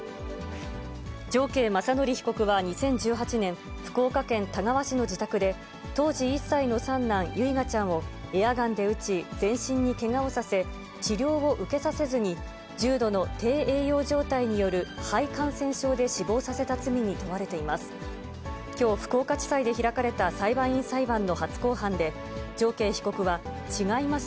常慶雅則被告は２０１８年、福岡県田川市の自宅で、当時１歳の三男、唯雅ちゃんをエアガンで撃ち、全身にけがをさせ、治療を受けさせずに、重度の低栄養状態による肺感染症で死亡させた罪に問われています。